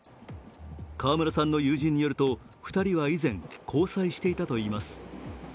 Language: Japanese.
川村さんの友人によると２人は以前、交際していたといいます。